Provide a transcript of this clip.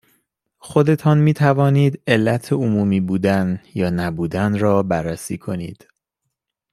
خودتان میتوانید علت عمومی بودن یا نبودن را بررسی کنید